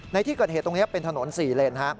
ในที่เกิดเหตุตรงนี้เป็นถนน๔เลน